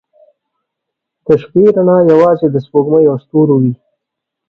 • د شپې رڼا یوازې د سپوږمۍ او ستورو وي.